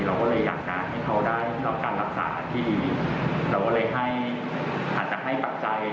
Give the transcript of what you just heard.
เราก็เลยอยากให้เขาได้การรับศาสตร์ที่เราก็เลยอาจจะให้ปัจจัย